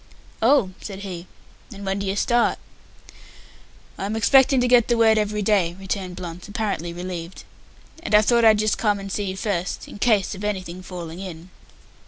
"Oh," said he. "And when do you start?" "I'm expecting to get the word every day," returned Blunt, apparently relieved, "and I thought I'd just come and see you first, in case of anything falling in."